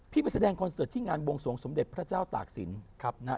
พี่ไปแสดงคอนเสิร์ตที่งานบวงสวงสมเด็จพระเจ้าตากสิน